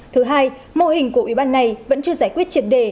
thứ hai mô hình của ủy ban này vẫn chưa giải quyết triệt đề